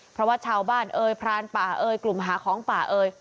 เพราะว่าชาวบ้านเอ่ยพรานป่าเอ่ยกลุ่มหาของป่าเอ่ย